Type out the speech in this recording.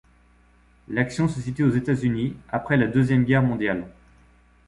L’action se situe aux États-Unis après la deuxième guerre mondiale.